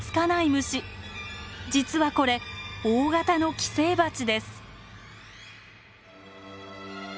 実はこれ大型の寄生バチです。